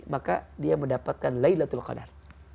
maka dia mendapatkan laylatul qadar